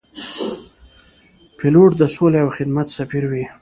پیلوټ د سولې او خدمت سفیر وي.